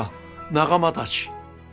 仲間たち！